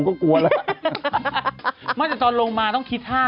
น่ากลัวจริงนะ